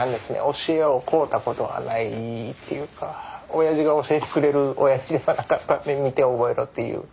教えを請うたことはないっていうかおやじが教えてくれるおやじではなかったんで見て覚えろっていう。